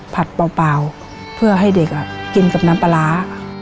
ผัดเปล่าเพื่อให้เด็กกินกับน้ำปลาร้า